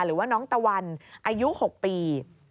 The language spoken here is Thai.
หรือว่าน้องตะวันอายุ๖ปี